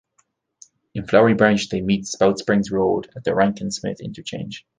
In Flowery Branch they meet Spout Springs Road at the Rankin Smith Interchange.